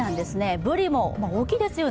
ブリも大きいですよね。